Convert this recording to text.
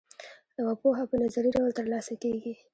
یوه پوهه په نظري ډول ترلاسه کیږي.